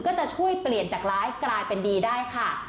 ก็จะช่วยเปลี่ยนจากร้ายกลายเป็นดีได้ค่ะ